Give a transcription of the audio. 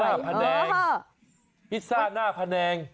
หน้าพะแนงพิซซ่าหน้าพะแนง